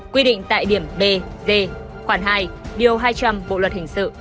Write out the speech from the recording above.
quy định tại điểm b d khoảng hai hai trăm linh bộ luật hình sự